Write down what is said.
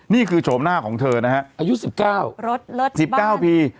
นี่คือโฉมหน้าของเธอนะฮะอายุ๑๙ปี